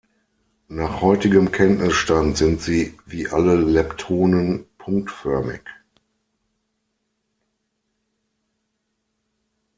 Nach heutigem Kenntnisstand sind sie wie alle Leptonen punktförmig.